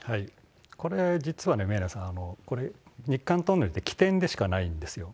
これ、実はね、宮根さん、日韓トンネルって起点でしかないんですよ。